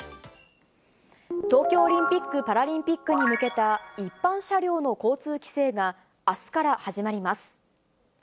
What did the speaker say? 東京オリンピック・パラリンピックに向けた、一般車両の交通規制が、あすから始まります。